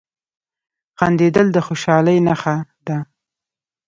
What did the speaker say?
• خندېدل د خوشحالۍ نښه ده.